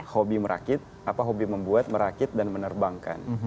hobi merakit apa hobi membuat merakit dan menerbangkan